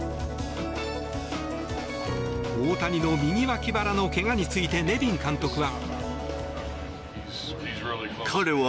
大谷の右脇腹の怪我についてネビン監督は。